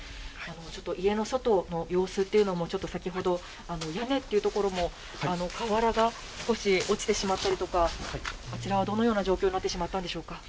ちょっと家の外の様子というのも、先ほど、屋根っていうところも瓦が少し落ちてしまったりとか、こちらはどのような状況になってしまったんでしょうか。